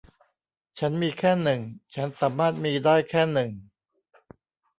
ฉันมีแค่หนึ่ง ฉันสามารถมีได้แค่หนึ่ง